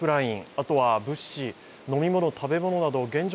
あとは物資、飲み物、食べ物など現状